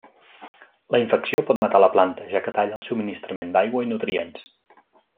La infecció pot matar la planta, ja que talla el subministrament d'aigua i nutrients.